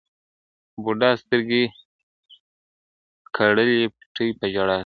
بوډا سترګي کړلي پټي په ژړا سو-